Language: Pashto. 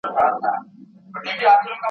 د ویده اولس تر کوره هنګامه له کومه راوړو!